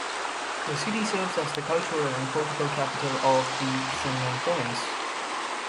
The city serves as the cultural and political capital of the Semnan Province.